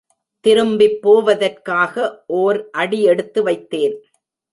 திரும்பிப் போவதற்காக ஓர் அடி எடுத்து வைத்தேன்.